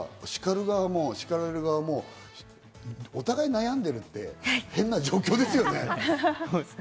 ただ叱る側も叱られる側もお互い悩んでるんで、変な状況ですよね。